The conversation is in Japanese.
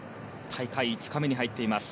大会５日目に入っています。